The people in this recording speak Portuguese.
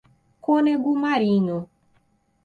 Cônego Marinho